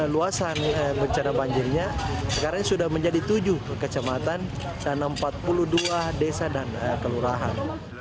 luasan bencana banjirnya sekarang sudah menjadi tujuh kecamatan dan empat puluh dua desa dan kelurahan